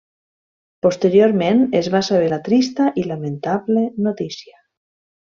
Posteriorment es va saber la trista i lamentable notícia.